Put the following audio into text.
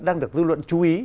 đang được dư luận chú ý